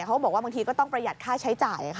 เขาบอกว่าบางทีก็ต้องประหยัดค่าใช้จ่ายค่ะ